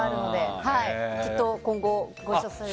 きっと今後ご一緒することも。